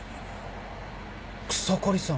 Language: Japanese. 草刈さん